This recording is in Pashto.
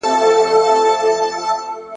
خدای ورکړی وو شهپر د الوتلو !.